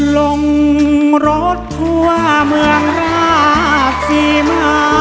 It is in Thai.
ลงรถทั่วเมืองราชศรีมา